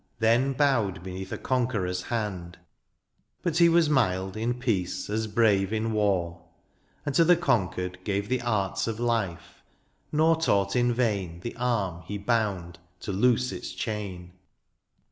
Then bowed beneath a conqueror's hand : But he was mild in peace as brave {s) In war, and to the conquered gave The arts of life, nor taught in vain The arm he bound to loose its chain.